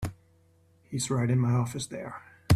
He's right in my office there.